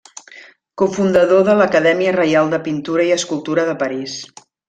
Cofundador de l'Acadèmia Reial de Pintura i Escultura de París.